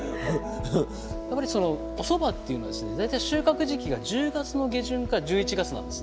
やっぱりおそばっていうのはですね大体収穫時期が１０月の下旬か１１月なんですね。